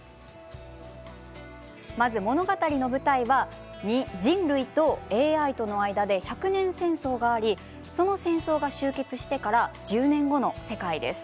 まず、物語の舞台は人類とＡＩとの間で１００年戦争がありその戦争が終結してから１０年後の世界。